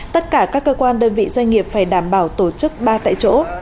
tất cả các cơ quan đơn vị doanh nghiệp phải đảm bảo tổ chức ba tại chỗ